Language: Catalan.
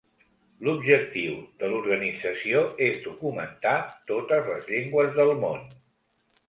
L'objectiu de l'organització és documentar totes les llengües del món.